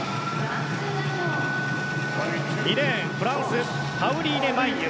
２レーン、フランスパウリーネ・マイユ。